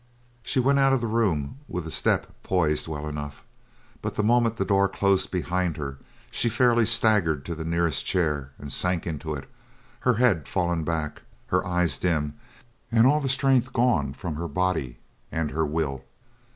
She went out of the room with a step poised well enough, but the moment the door closed behind her she fairly staggered to the nearest chair and sank into it, her head fallen back, her eyes dim, and all the strength gone from her body and her will.